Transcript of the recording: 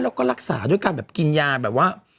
แล้วก็รักษาด้วยการแบบกินยาแบบว่า